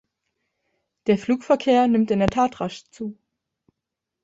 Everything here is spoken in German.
Der Flugverkehr nimmt in der Tat rasch zu.